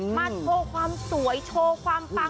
มาโชว์ความสวยมีความแปลก